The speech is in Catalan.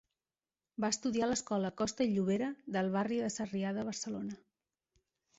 Va estudiar a l'Escola Costa i Llobera del barri de Sarrià de Barcelona.